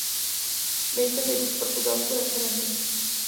Dejte lidu v Portugalsku referendum.